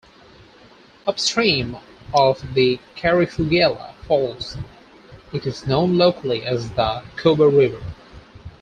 Upstream of the Karifiguela Falls it is known locally as the Koba River.